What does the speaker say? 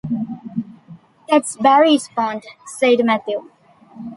“That’s Barry’s pond,” said Matthew.